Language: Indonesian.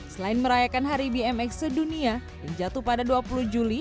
selain merayakan hari bmx sedunia yang jatuh pada dua puluh juli